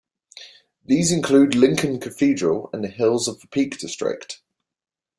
These include Lincoln Cathedral and the hills of the Peak District.